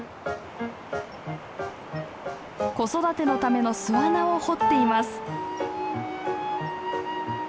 子育てのための巣穴を掘っています。